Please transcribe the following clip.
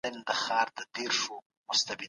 پیسې په څه شي لګول کیږي؟